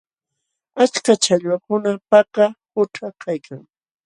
Achka challwakuna Paka qućha kaykan.